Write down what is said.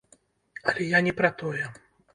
Але я не пра тое.